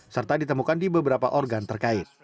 serta ditemukan di beberapa organ terkait